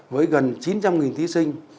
với gần chín trăm linh thí sinh